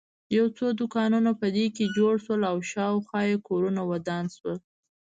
یو څو دوکانونه په کې جوړ شول او شاخوا یې کورونه ودان شول.